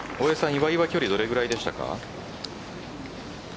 岩井は距離どれぐらいでしたか。